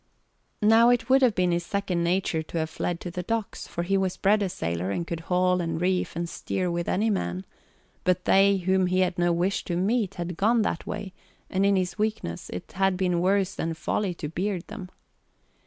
Now it would have been his second nature to have fled to the docks, for he was bred a sailor and could haul and reef and steer with any man; but they whom he had no wish to meet had gone that way and in his weakness it had been worse than folly to beard them.